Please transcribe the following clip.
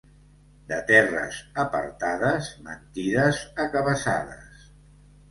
De terres apartades, mentides a cabassades.